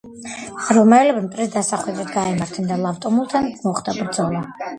რომაელები მტრის დასახვედრად გაემართნენ და ლავტულუმთან მოხდა ბრძოლა.